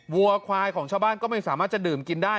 วัวควายของชาวบ้านก็ไม่สามารถจะดื่มกินได้